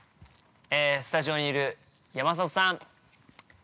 スタジオにいる、山里さん。